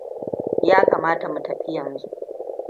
Ya kamata mu tafi yanzu.